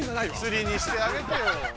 「つり」にしてあげてよ。